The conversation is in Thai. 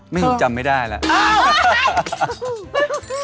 จำไม่ได้แล้ว